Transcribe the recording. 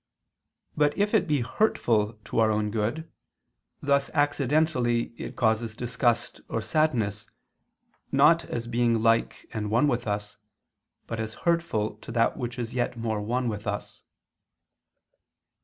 But if it be hurtful to our own good, thus accidentally it causes disgust or sadness, not as being like and one with us, but as hurtful to that which is yet more one with us.